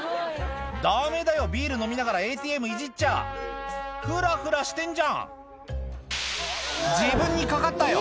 ダメだよビール飲みながらＡＴＭいじっちゃふらふらしてんじゃん自分にかかったよ